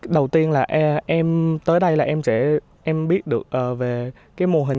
đầu tiên là em tới đây là em sẽ em biết được về cái mô hình